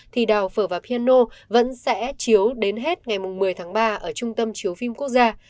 thì đào phở và piano vẫn sẽ chiếu đến hết ngày một mươi tháng ba ở trung tâm chiếu phim quốc gia